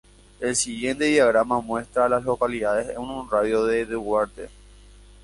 El siguiente diagrama muestra a las localidades en un radio de de Duarte.